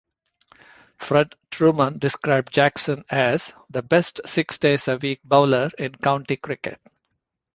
Fred Trueman described Jackson as "The best six-days-a-week bowler in county cricket".